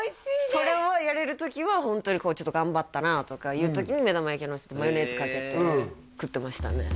それはやれる時はホントにこうちょっと頑張ったなとかいう時に目玉焼きのせてマヨネーズかけて食ってましたね